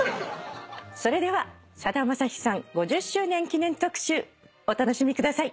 それではさだまさしさん５０周年記念特集お楽しみください。